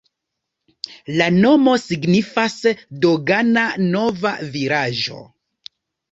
La nomo signifas: dogana-nova-vilaĝo.